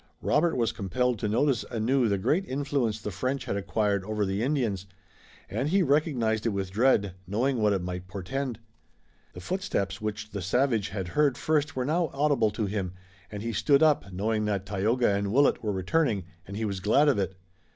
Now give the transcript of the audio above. Robert was compelled to notice anew the great influence the French had acquired over the Indians, and he recognized it with dread, knowing what it might portend. The footsteps which the savage had heard first were now audible to him, and he stood up, knowing that Tayoga and Willet were returning, and he was glad of it.